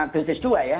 dosis dua ya